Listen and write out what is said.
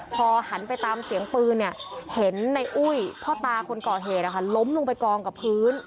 พอหันไปตามเสียงปืนเห็นในอุ้ยพ่อตาคนก่อเหตุล้มลงไปกองกับพื้น